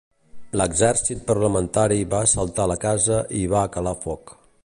L'exercit parlamentari va assaltar la casa i hi va calar foc.